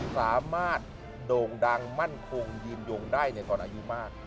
โด่งดังมั่นคงยืนยงได้ในตอนอายุมาก